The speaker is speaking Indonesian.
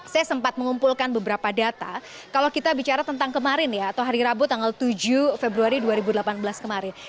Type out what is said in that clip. saya sempat mengumpulkan beberapa data kalau kita bicara tentang kemarin ya atau hari rabu tanggal tujuh februari dua ribu delapan belas kemarin